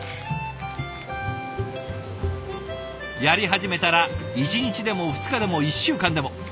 やり始めたら１日でも２日でも１週間でも。